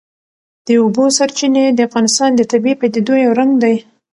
د اوبو سرچینې د افغانستان د طبیعي پدیدو یو رنګ دی.